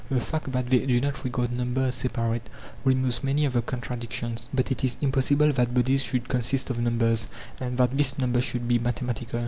The fact that they do not regard number as separate, removes many of the contradictions ; but it is impossible that bodies should consist of numbers, and that this number should be mathematical.